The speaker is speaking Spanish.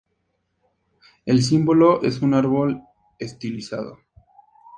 El símbolo es un árbol estilizado.